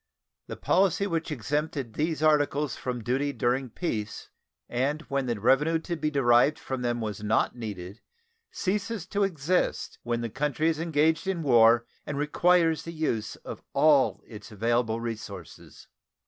The policy which exempted these articles from duty during peace, and when the revenue to be derived from them was not needed, ceases to exist when the country is engaged in war and requires the use of all of its available resources.